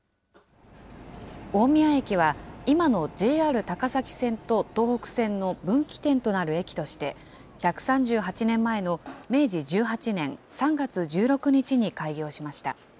大宮駅は今のＪＲ高崎線と東北線の分岐点となる駅として、１３８年前の明治１８年３月１６日に開業しました。